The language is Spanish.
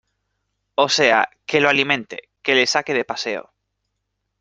o sea, que lo alimente , que le saque de paseo.